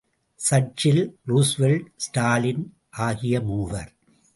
சர்ச்சில், Roosevelt Stalin ஆகிய மூவர்.